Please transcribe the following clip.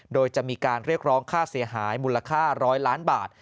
โดยจะมีการเรียกร้องค่าเสียหายมูลค่า๑๐๐ล้านบาท